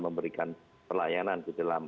memberikan pelayanan di dalam